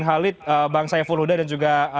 halid bang saya furhuda dan juga